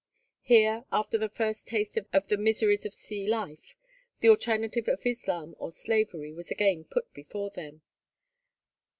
Here, after their first taste of the miseries of a sea life, the alternative of Islam or slavery was again put before them.